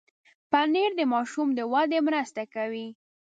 پنېر د ماشوم د ودې مرسته کوي.